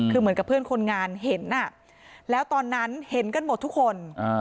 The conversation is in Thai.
คือเหมือนกับเพื่อนคนงานเห็นแล้วตอนนั้นเห็นกันหมดทุกคน